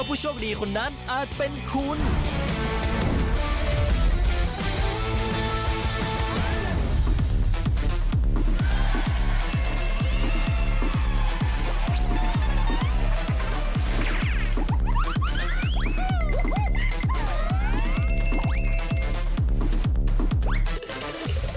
พรุ่งนี้๕สิงหาคมจะเป็นของใคร